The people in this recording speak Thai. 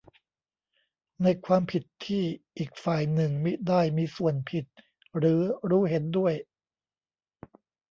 ในความผิดที่อีกฝ่ายหนึ่งมิได้มีส่วนผิดหรือรู้เห็นด้วย